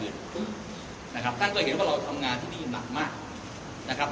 ซึ่งนะครับท่านก็เห็นว่าเราทำงานที่นี่หนักมากนะครับ